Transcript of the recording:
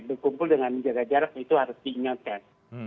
berkumpul dengan jaga jarak itu harus diingatkan